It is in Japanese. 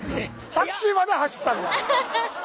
タクシーまでは走ったんだ。